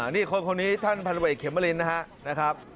นี่คนนี้ท่านพันธุ์ตำรวจเอกแคมเมอรินนะครับ